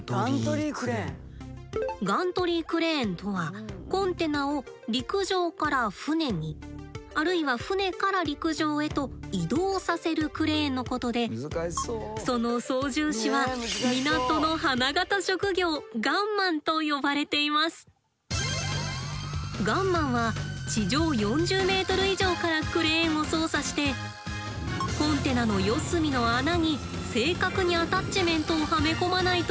ガントリークレーンとはコンテナを陸上から船にあるいは船から陸上へと移動させるクレーンのことでその操縦士はガンマンは地上４０ｍ以上からクレーンを操作してコンテナの四隅の穴に正確にアタッチメントをはめ込まないといけません。